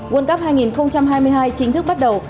world cup hai nghìn hai mươi hai chính thức bắt đầu